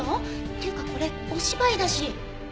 っていうかこれお芝居だし。